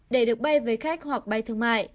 để được bay với khách hoặc bay thương mại